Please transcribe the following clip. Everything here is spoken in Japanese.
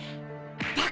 バカ！